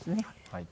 はい。